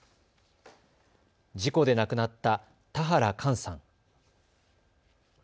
事故で亡くなった田原寛さん。